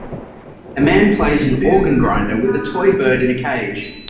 A man plays an organ grinder with a toy bird in a cage.